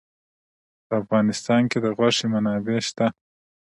په افغانستان کې د غوښې منابع شته.